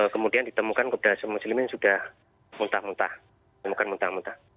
kemudian ditemukan kopda muslimin sudah muntah muntah